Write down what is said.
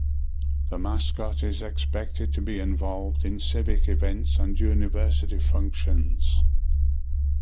The mascot is expected to be involved in civic events and university functions.